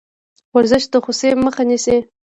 ورزش د غوسې مخه نیسي.